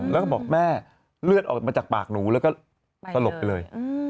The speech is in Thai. แล้วก็บอกแม่เลือดออกมาจากปากหนูแล้วก็สลบไปเลย